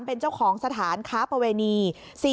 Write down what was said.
เป็นเจ้าของสถานค้าประเวณี